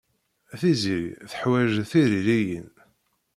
Tiziri teḥwaj tiririyin.